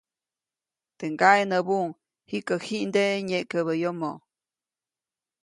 Teʼ ŋgaʼe näbuʼuŋ -jikä jiʼndeʼe nyeʼkäbä yomo-.